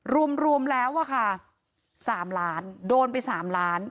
รวมแล้วอะค่ะ๓ล้านโดนไป๓ล้าน